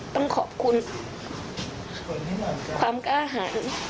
ต้องขอบคุณความกล้าหาร